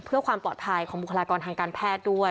เพื่อความปลอดภัยของบุคลากรทางการแพทย์ด้วย